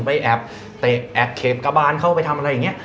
ไปแอบเก็บกระบานเขาไปทำอะไรอย่างนี้